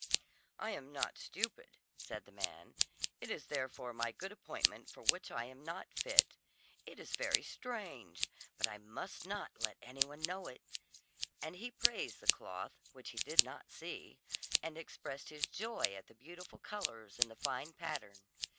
"I am not stupid," said the man. "It is therefore my good appointment for which I am not fit. It is very strange, but I must not let any one know it;" and he praised the cloth, which he did not see, and expressed his joy at the beautiful colours and the fine pattern.